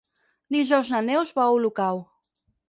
Dijous na Neus va a Olocau.